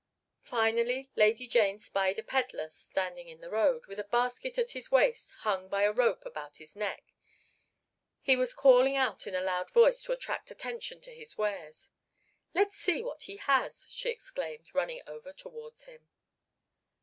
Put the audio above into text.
Finally Lady Jane spied a pedler standing in the road, with a basket at his waist hung by a rope about his neck. He was calling out in a loud voice to attract attention to his wares. "Let's see what he has," she exclaimed, running over towards him.